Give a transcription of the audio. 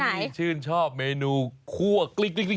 ใครชื่นชอบเมนูครัวกลิ้ง